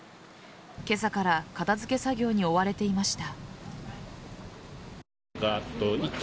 今朝から片付け作業に追われていました。